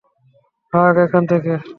ভাগ, এখান থেকে!